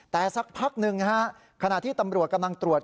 แต่สักพักหนึ่งขณะที่ตำรวจกำลังตรวจ